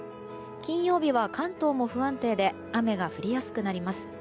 金曜日は関東も不安定で雨が降りやすくなります。